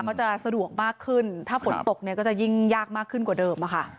ก็จะสะดวกมากขึ้นถ้าฝนตกเนี่ยก็จะยิ่งยากมากขึ้นกว่าเดิมอะค่ะ